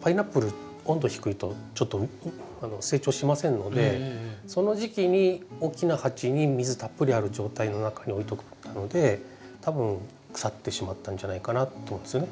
パイナップル温度低いとちょっと成長しませんのでその時期に大きな鉢に水たっぷりある状態の中に置いといたので多分腐ってしまったんじゃないかなと思うんですよね。